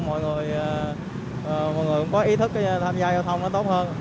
mọi người cũng có ý thức tham gia giao thông nó tốt hơn